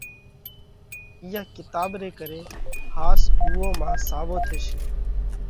اِيئا ڪِتاٻ ري ڪري ۿاس اُوئون مانه ساوَو ٿيشي۔